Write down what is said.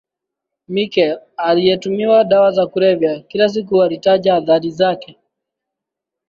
Michael aliyetumia dawa za kulevya kila siku alitaja athari zake